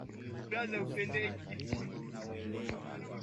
kasi Kwa Runnymede kwa mfano watoto wanaweza